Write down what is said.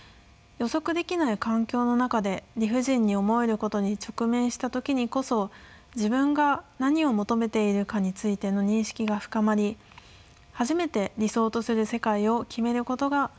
予測できない環境の中で理不尽に思えることに直面した時にこそ自分が何を求めているかについての認識が深まり初めて理想とする世界を決めることができます。